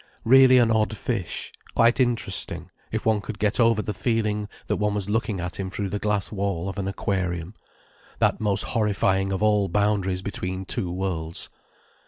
Really an odd fish: quite interesting, if one could get over the feeling that one was looking at him through the glass wall of an aquarium: that most horrifying of all boundaries between two worlds.